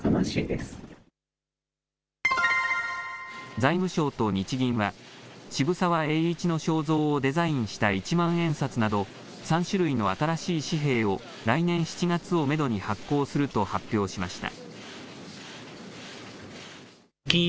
財務省と日銀は、渋沢栄一の肖像をデザインした一万円札など、３種類の新しい紙幣を来年７月をメドに発行すると発表しました。